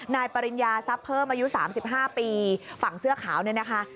นายปริญญาซับเพิ่มอายุ๓๕ปีฝั่งเสื้อขาวนี่นะคะ